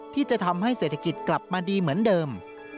ที่จะทำให้เศรษฐกิจกลับมาดีเหมือนเดิม